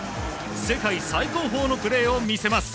世界最高峰のプレーを見せます。